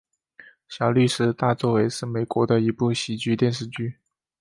小律师大作为是美国的一部喜剧电视剧。